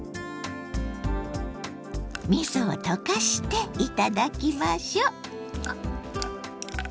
みそを溶かして頂きましょう！